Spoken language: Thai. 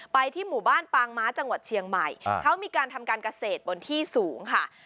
ที่หมู่บ้านปางม้าจังหวัดเชียงใหม่เขามีการทำการเกษตรบนที่สูงค่ะ